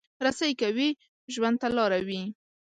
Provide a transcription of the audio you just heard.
رسۍ که وي، ژوند ته لاره وي.